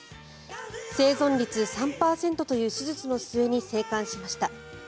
生存率３％という手術の末に生還しました。